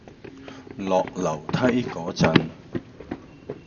落樓梯嗰陣